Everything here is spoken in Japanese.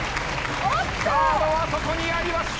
カードはそこにありました。